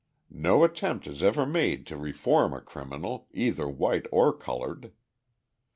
No attempt is ever made to reform a criminal, either white or coloured.